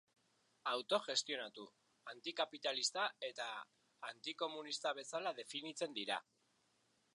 Autogestionatua, antikapitalista eta antikonsumista bezala definitzen dira.